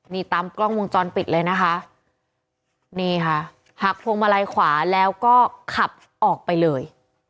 นี่ตามกล้องวงจรปิดเลยนะคะนี่ค่ะหักพวงมาลัยขวาแล้วก็ขับออกไปเลย